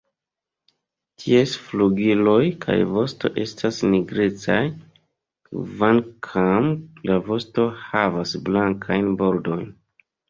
Ties flugiloj kaj vosto estas nigrecaj, kvankam la vosto havas blankajn bordojn.